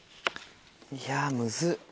いやむずっ。